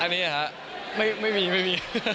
อันนี้ไม่มีไม่มี